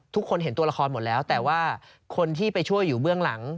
ทุกคนเห็นตัวละครหมดแล้วแต่ว่าคนที่ไปช่วยอยู่เบื้องหลัง